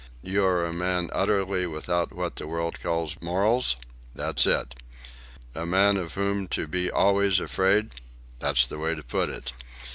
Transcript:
"You are a man utterly without what the world calls morals?" "That's it." "A man of whom to be always afraid—" "That's the way to put it."